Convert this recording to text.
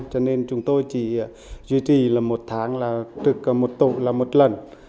cho nên chúng tôi chỉ duy trì là một tháng là trực một tổ là một lần